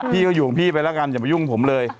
พี่ก็อยู่ของพี่ไปแล้วกันอย่าไปยุ่งผมเลย